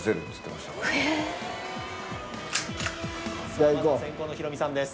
まず先攻のヒロミさんです。